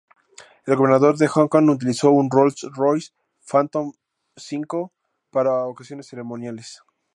El Gobernador de Hong Kong utilizó un Rolls-Royce Phantom V para ocasiones ceremoniales.